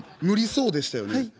無理そうでしたよね。